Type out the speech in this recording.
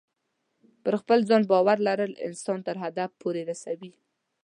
پر خپل ځان باور لرل انسان تر هدف پورې رسوي.